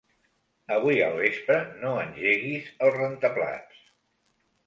Avui al vespre no engeguis el rentaplats.